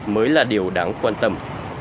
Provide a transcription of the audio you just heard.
mới là điều đáng quan tâm